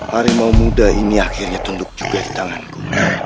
harimau muda ini akhirnya tunduk juga di tanganku